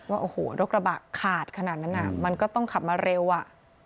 ว่าโอ้โหรถกระบะขาดขนาดนั้นอ่ะมันก็ต้องขับมาเร็วอ่ะ